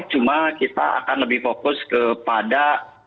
cuma kita akan lebih fokus kepada